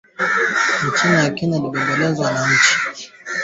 ameonya kuhusu ongezeko la nyenzo za upelelezi